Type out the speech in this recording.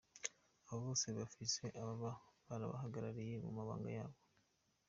Abo bose bafise ababa barabahagarariye mu mabanga yabo.